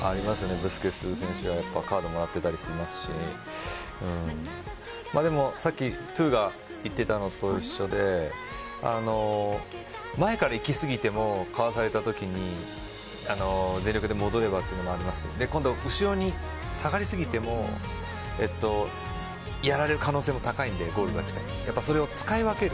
ブスケツ選手はやっぱカードもらってたりしますしでもさっき闘莉王が言っていたのと一緒で前からいきすぎてもかわされたときに全力で戻ればというのもありますし今度、後ろに下がりすぎてもやられる可能性も高いのでやっぱ、それを使い分ける。